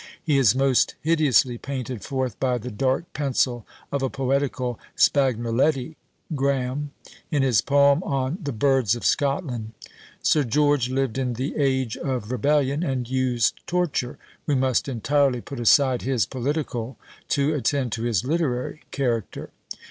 He is most hideously painted forth by the dark pencil of a poetical Spagnoletti (Grahame), in his poem on "The Birds of Scotland." Sir George lived in the age of rebellion, and used torture: we must entirely put aside his political, to attend to his literary character.